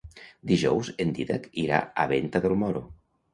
Dijous en Dídac irà a Venta del Moro.